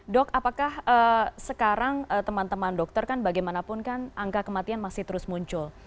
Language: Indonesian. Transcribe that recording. dok apakah sekarang teman teman dokter kan bagaimanapun kan angka kematian masih terus muncul